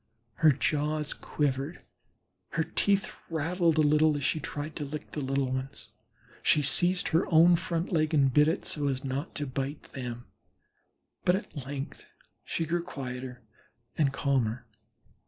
Her jaws quivered, her teeth rattled a little as she tried to lick the little ones; she seized her own front leg and bit it so as not to bite them, but at length she grew quieter and calmer.